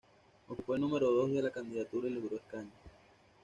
Ocupó el número dos de la candidatura y logró escaño.